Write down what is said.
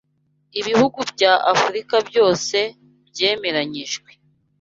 ibihugu bya Afurika byose byemeranyijwe